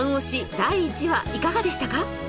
第１話いかがでしたか？